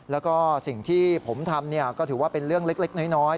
แล้วก็สิ่งที่ผมทำก็ถือว่าเป็นเรื่องเล็กน้อย